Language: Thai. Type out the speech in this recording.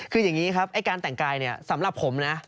คืออย่างนี้ครับไอ้การแต่งกายเนี่ยสำหรับผมนะ